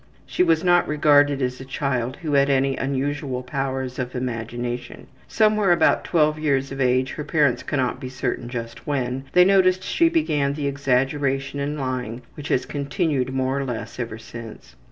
She was not regarded as a child who had any unusual powers of imagination. Somewhere about 12 years of age, her parents cannot be certain just when, they noticed she began the exaggeration and lying which has continued more or less ever since.